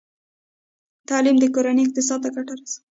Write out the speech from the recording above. تعلیم د کورنۍ اقتصاد ته ګټه رسوي۔